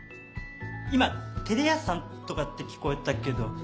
今照れ屋さんとかって聞こえたけど